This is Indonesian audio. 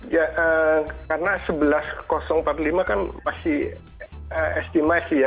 ya karena sebelas empat puluh lima kan masih estimasi ya